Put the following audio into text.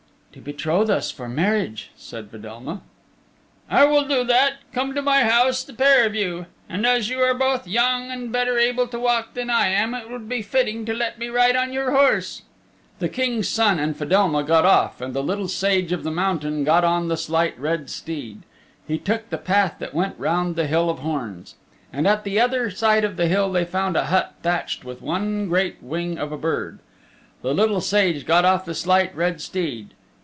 "To betroth us for marriage," said Fedelma. "I will do that. Come to my house, the pair of you. And as you are both young and better able to walk than I am it would be fitting to let me ride on your horse." The King's Son and Fedelma got off and the Little Sage of the Mountain got on the Slight Red Steed. They took the path that went round the Hill of Horns. And at the other side of the hill they found a hut thatched with one great wing of a bird. The Little Sage got off the Slight Red Steed.